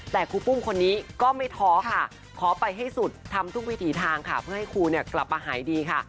แต่ครูปุ้มคนนี้ก็ไม่ท้อค่ะขอไปให้สุดทำทุกวิถีทางค่ะเพื่อให้ครูเนี่ยกลับมาหายดีค่ะ